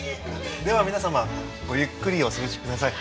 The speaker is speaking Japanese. では皆様ごゆっくりお過ごしください。